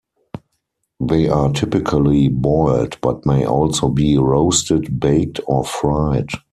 They are typically boiled but may also be roasted, baked or fried.